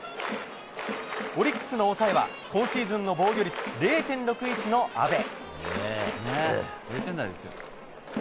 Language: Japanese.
オリックスの抑えは、今シーズンの防御率０．６１の阿部。